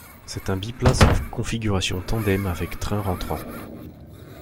C'est un biplace en configuration tandem avec trains rentrants.